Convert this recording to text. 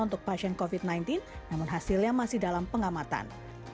untuk pasien covid sembilan belas namun hasilnya masih dalam pengamatan